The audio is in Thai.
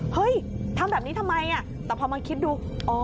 เฮ้ยทำแบบนี้ทำไมแต่พอมาคิดดู